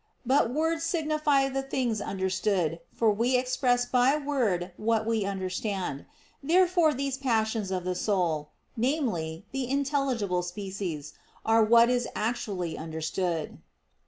But words signify the things understood, for we express by word what we understand. Therefore these passions of the soul viz. the intelligible species, are what is actually understood.